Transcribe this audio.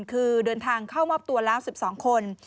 คือเดินทางเข้ามอบตัวแล้ว๑๒คน